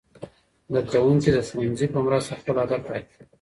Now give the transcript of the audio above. زدهکوونکي د ښوونځي په مرسته خپل هدف ټاکي.